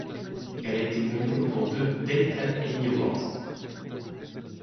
Elle a été nominé pour deux Daytime Emmy Awards.